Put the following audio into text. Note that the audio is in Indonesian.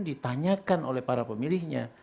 ditanyakan oleh para pemilihnya